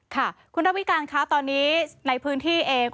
ค่ะคุณระวิการคะตอนนี้ในพื้นที่เอง